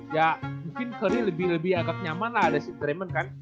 ya mungkin curry lebih agak nyaman lah ada si dremond kan